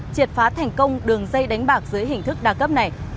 triệt phá thành công đường dây đánh bạc dưới hình thức đa cấp này